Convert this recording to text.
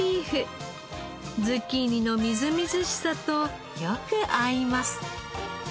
ズッキーニのみずみずしさとよく合います。